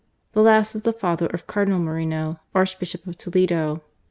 This last was the father of Cardinal Moreno, Archbishop of Toledo.